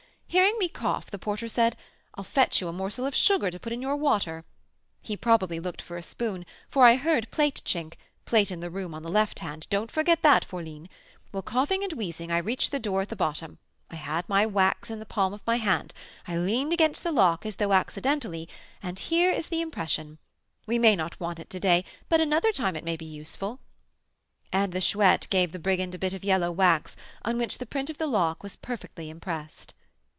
Hearing me cough, the porter said,'I'll fetch you a morsel of sugar to put in your water.' He probably looked for a spoon, for I heard plate chink, plate in the room on the left hand; don't forget that, fourline. Well, coughing and wheezing, I reached the door at the bottom, I had my wax in the palm of my hand. I leaned against the lock as though accidentally, and here is the impression; we may not want it to day, but another time it may be useful." And the Chouette gave the brigand a bit of yellow wax, on which the print of the lock was perfectly impressed.